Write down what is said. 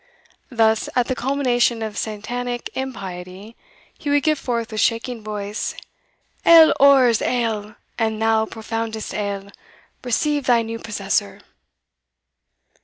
Thus, at the culmination of Satanic impiety, he would give forth with shaking voice '_Ail, orrors, ail! and thou profoundest Ell, Receive thy new possessor!